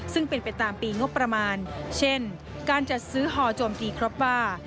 ซึ่งเป็นไปตามปีงบประมาณเช่นการจัดซื้อฮอโจมตีครบว่า